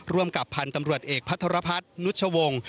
ร่วมกับพันธุ์ตำรวจเอกพัทรพัฒน์นุชวงศ์